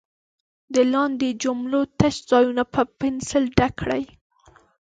د لاندې جملو تش ځایونه په پنسل ډک کړئ.